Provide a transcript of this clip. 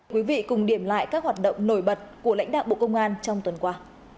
quý vị cùng điểm lại các hoạt động nổi bật của lãnh đạo bộ công an trong tuần qua